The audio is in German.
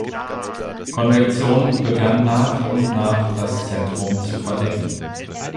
Konvektion begann nach und nach das Zentrum zu verdecken.